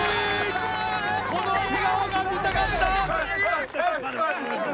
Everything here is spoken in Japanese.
この笑顔が見たかった！